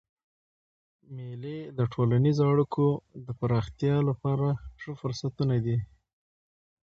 مېلې د ټولنیزو اړیکو د پراختیا له پاره ښه فرصتونه دي.